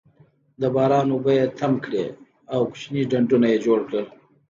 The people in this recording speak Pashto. د باران اوبه یې تم کړې او کوچني ډنډونه یې جوړ کړل.